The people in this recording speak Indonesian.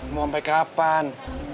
mau sampe kapan